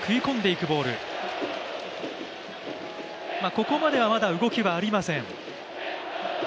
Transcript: ここまではまだ動きはありません。